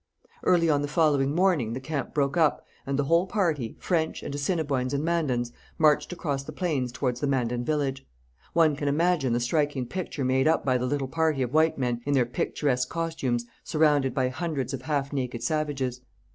Early on the following morning the camp broke up, and the whole party, French and Assiniboines and Mandans, marched across the plains towards the Mandan village. One can imagine the striking picture made up by the little party of white men in their picturesque costumes, surrounded by hundreds of half naked savages.